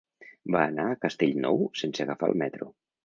Va anar a Castellnou sense agafar el metro.